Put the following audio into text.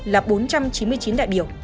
là bốn trăm chín mươi chín đại biểu